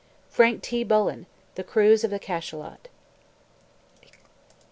FRANK T. BULLEN: "The Cruise of the Cachalot."